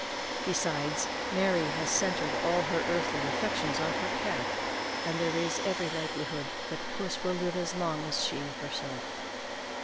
Besides, Mary has centered all her earthly affections on her cat, and there is every likelihood that puss will live as long as she herself.